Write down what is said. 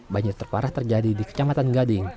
banjir terparah terjadi di kecamatan gading